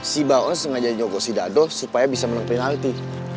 si baon sengaja nyogok si dado supaya bisa menang penalti